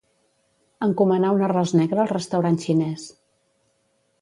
Encomanar un arròs negre al restaurant xinès.